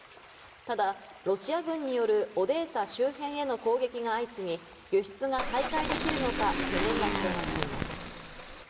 ただ、ロシア軍によるオデーサ周辺への攻撃が相次ぎ、輸出が再開できるのか懸念が広がっています。